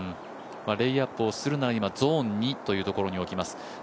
レイアップをするならゾーンにというところに置きます。